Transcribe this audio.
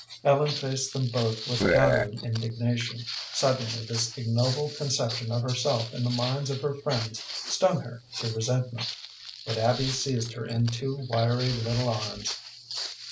Ellen faced them both with gathering indignation. Suddenly this ignoble conception of herself in the minds of her friends stung her to resentment. But Abby seized her in two wiry little arms.